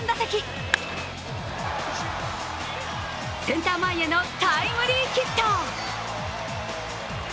センター前のタイムリーヒット。